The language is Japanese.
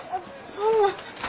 そんな。